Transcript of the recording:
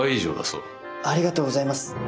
ありがとうございます。